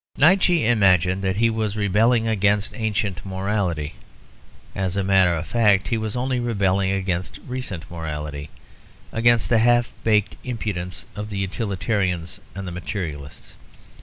Nietzsche imagined he was rebelling against ancient morality; as a matter of fact he was only rebelling against recent morality, against the half baked impudence of the utilitarians and the materialists.